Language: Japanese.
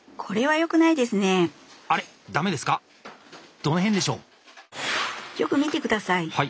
よく見て下さい。